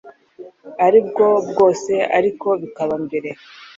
ari bwo bwose ariko bikaba mbere